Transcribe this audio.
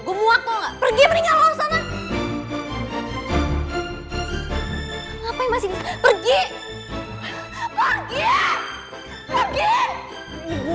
gua mau aku pergi mendingan lo sana ngapain masih pergi pergi pergi pergi pergi tolong